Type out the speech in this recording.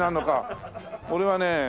俺はね